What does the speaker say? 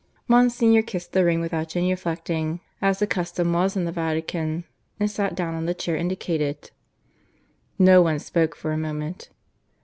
Monsignor kissed the ring without genuflecting, as the custom was in the Vatican, and sat down on the chair indicated. No one spoke for a moment.